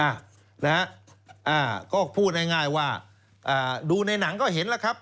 อ่ะนะฮะก็พูดง่ายว่าดูในหนังก็เห็นแล้วครับ